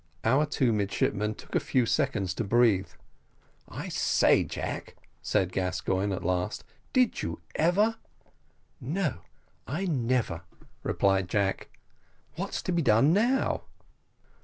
Our two midshipmen took a few seconds to breathe. "I say, Jack," said Gascoigne at last, "did you ever " "No, I never " replied Jack. "What's to be done now?"